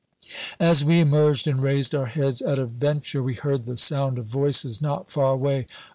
As we emerged and raised our heads at a venture we heard the sound of voices not far away.